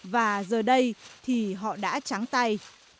và giờ đây thì họ đã trắng tay